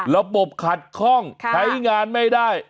แล้วปบขัดคล่องใช้งานไม่ได้